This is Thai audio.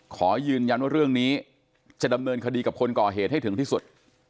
ขอยืนยันว่าเรื่องนี้จะดำเนินคดีกับคนก่อเหตุให้ถึงที่สุด